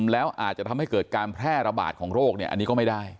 แล้วอาจจะทำให้เกิดการแพร่ระบาดของโรคเนี่ยอันนี้ก็ไม่ได้